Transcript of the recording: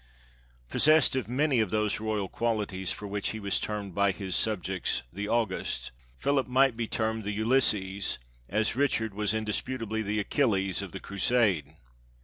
Possessed of many of those royal qualities for which he was termed by his subjects the August, Philip might 614 THE TEARING DOWN OF ENGLAND'S FLAG be termed the Ulysses, as Richard was indisputably the Achilles, of the Cmsade.